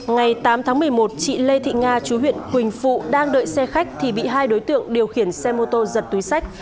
ngày tám tháng một mươi một chị lê thị nga chú huyện quỳnh phụ đang đợi xe khách thì bị hai đối tượng điều khiển xe mô tô giật túi sách